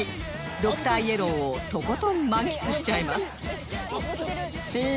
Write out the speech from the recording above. ドクターイエローをとことん満喫しちゃいます